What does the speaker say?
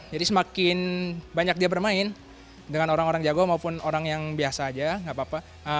jadi semakin banyak dia bermain dengan orang orang jago maupun orang yang biasa aja gak apa apa